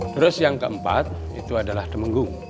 terus yang keempat itu adalah temenggung